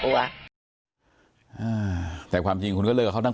เพราะไม่เคยถามลูกสาวนะว่าไปทำธุรกิจแบบไหนอะไรยังไง